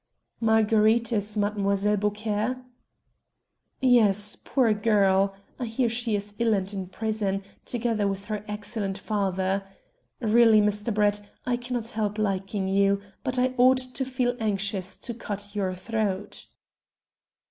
"Marguerite is Mademoiselle Beaucaire?" "Yes, poor girl! I hear she is ill and in prison, together with her excellent father. Really, Mr. Brett, I cannot help liking you, but I ought to feel anxious to cut your throat."